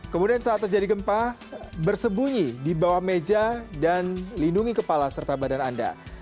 kemudian saat terjadi gempa bersembunyi di bawah meja dan lindungi kepala serta badan anda